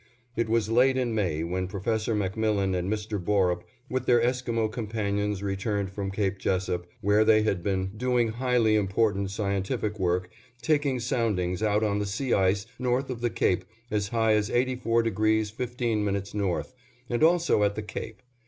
It was late in May when Prof. MacMillan and Mr. Borup, with their Esquimo companions returned from Cape Jesup, where they had been doing highly important scientific work, taking soundings out on the sea ice north of the cape as high as 84° 15' north, and also at the cape.